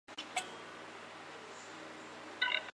米兰公爵爵位由路易十二继承。